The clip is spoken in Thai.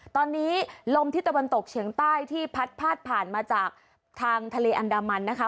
ตอนนี้ลมที่ตะวันตกเฉียงใต้ที่พัดพาดผ่านมาจากทางทะเลอันดามันนะคะ